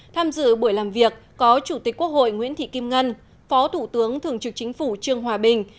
tham dự buổi làm việc có chủ tịch quốc hội nguyễn thị kim ngân phó thủ tướng thường trực chính phủ trương hòa bình